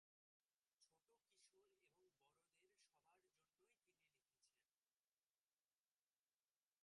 ছোট-কিশোর ও বড়দের সবার জন্যই তিনি লিখেছেন।